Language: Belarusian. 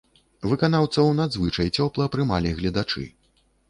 Выканаўцаў надзвычай цёпла прымалі гледачы.